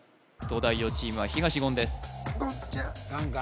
東大王チームは東言です言